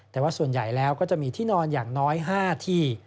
แต่ว่าส่วนใหญ่แล้วก็จะมีที่นอนอย่างน้อย๕ที่